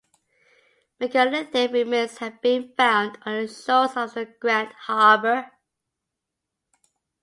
Megalithic remains have been found on the shores of the Grand Harbour.